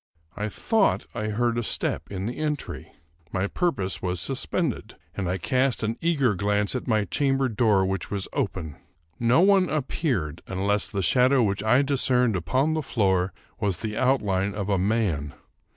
I thought I heard a step in the entry. My purpose was suspended, and I cast an eager glance at my chamber door, which was open. No one appeared, unless the shadow which I discerned upon the floor was the outline of a man.